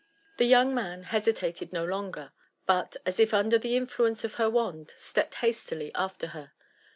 The young man hesitated no longer, but, as if under the influence of her wand, stepped hastily after her.